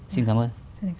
xin cảm ơn